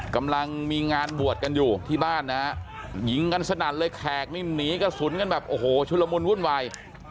กำลังมีงานบวชกันอยู่ที่บ้านนะฮะยิงกันสนั่นเลยแขกนี่หนีกระสุนกันแบบโอ้โหชุลมุนวุ่นวาย